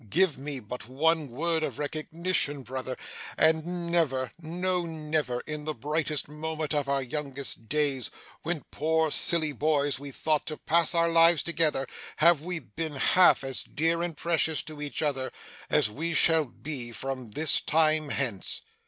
Give me but one word of recognition, brother and never no never, in the brightest moment of our youngest days, when, poor silly boys, we thought to pass our lives together have we been half as dear and precious to each other as we shall be from this time hence!